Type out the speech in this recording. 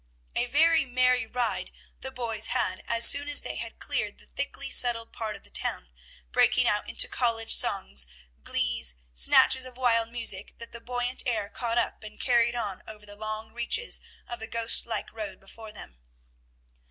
A very merry ride the boys had as soon as they had cleared the thickly settled part of the town, breaking out into college songs, glees, snatches of wild music that the buoyant air caught up and carried on over the long reaches of the ghost like road before them.